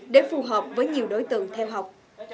để phù hợp với nhiều đối tượng theo học